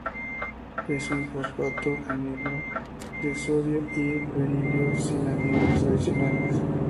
Es un fosfato anhidro de sodio y berilio, sin aniones adicionales.